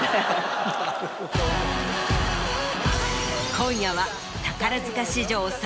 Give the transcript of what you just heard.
今夜は。